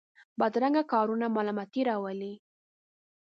بدرنګه کارونه ملامتۍ راولي